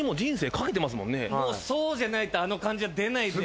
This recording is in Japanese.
そうじゃないとあの感じは出ないです。